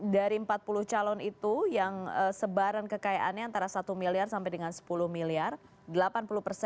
dari empat puluh calon itu yang sebaran kekayaannya antara satu miliar sampai dengan sepuluh miliar